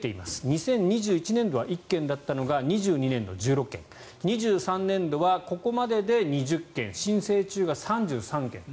２０２１年度は１件だったのが２２年度、１６件２３年度はここまでで２０件申請中が３３件。